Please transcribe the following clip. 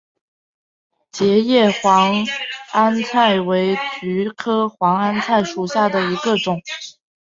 戟叶黄鹌菜为菊科黄鹌菜属下的一个种。